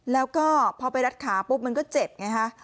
แล้วก็พอไปรัดขาปุ๊บมันก็เจ็บไงฮะ